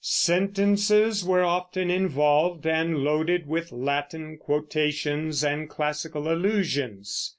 Sentences were often involved, and loaded with Latin quotations and classical allusions.